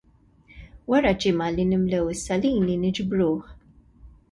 Wara ġimgħa li nimlew is-salini niġbruh.